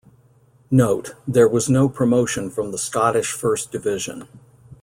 Note: There was no promotion from the Scottish First Division.